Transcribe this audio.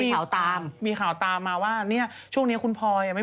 โอลี่คัมรี่ยากที่ใครจะตามทันโอลี่คัมรี่ยากที่ใครจะตามทัน